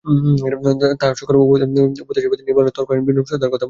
তাঁহার সকল উপদেশের প্রতি নির্মলার তর্কবিহীন বিনম্র শ্রদ্ধার কথা মনে পড়িল।